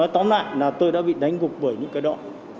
tóm lại là tôi đã bị đánh gục bởi những cái đó